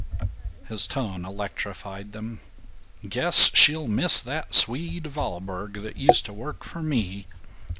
His tone electrified them. "Guess she'll miss that Swede Valborg that used to work for me!